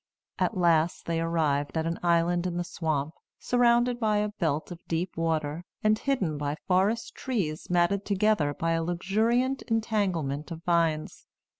At last they arrived at an island in the swamp, surrounded by a belt of deep water, and hidden by forest trees matted together by a luxuriant entanglement of vines.